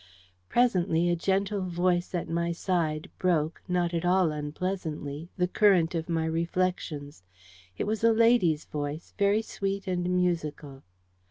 Presently a gentle voice at my side broke, not at all unpleasantly, the current of my reflections. It was a lady's voice, very sweet and musical.